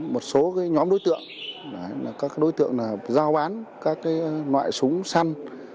một số nhóm đối tượng là các đối tượng giao bán các loại súng săn